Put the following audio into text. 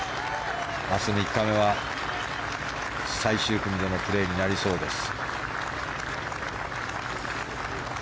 明日、３日目は最終組でのプレーになりそうです。